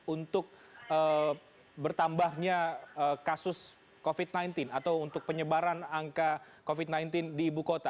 untuk bertambahnya kasus covid sembilan belas atau untuk penyebaran angka covid sembilan belas di ibu kota